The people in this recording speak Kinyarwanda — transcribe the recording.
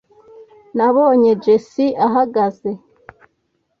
Nabonye Jessie ahagaze.